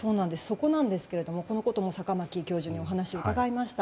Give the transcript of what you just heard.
そこなんですけれどもこのことも坂巻教授にお話を伺いました。